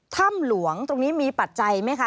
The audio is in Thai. ถ้ำหลวงตรงนี้มีปัจจัยไหมคะ